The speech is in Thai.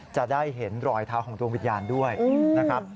จะได้เห็นรอยเท้าของดวงวิญญาณด้วยนะครับ